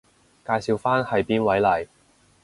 介紹返係邊位嚟？